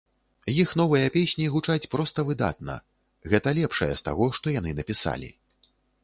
Іх новыя песні гучаць проста выдатна, гэта лепшае з таго, што яны напісалі.